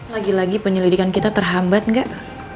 lagi lagi penyelidikan kita terhambat nggak